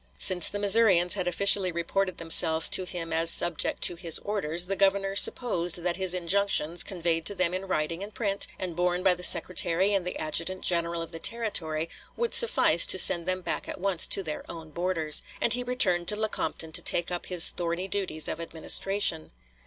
Since the Missourians had officially reported themselves to him as subject to his orders, the Governor supposed that his injunctions, conveyed to them in writing and print, and borne by the secretary and the adjutant general of the Territory, would suffice to send them back at once to their own borders, and he returned to Lecompton to take up his thorny duties of administration.